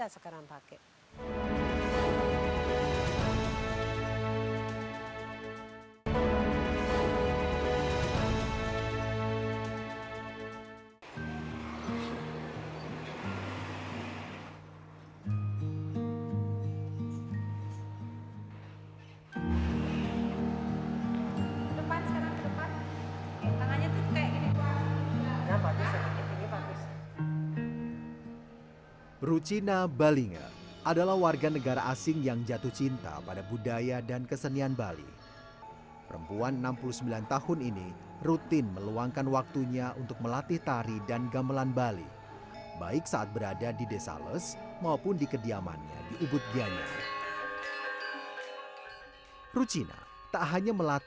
saya juga dulu waktu kecil